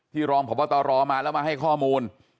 รองพบตรมาแล้วมาให้ข้อมูล